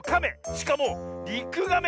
しかもリクガメ！